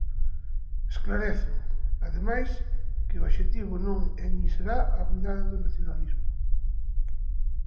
Esclarecen, ademais, que o obxectivo non é nin será a "unidade do nacionalismo".